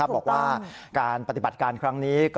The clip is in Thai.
บอกว่าการปฏิบัติการครั้งนี้